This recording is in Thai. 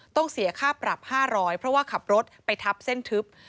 เสียค่าปรับ๕๐๐เพราะว่าขับรถไปทับเส้นทึบ